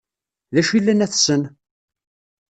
D acu i llan ad tessen?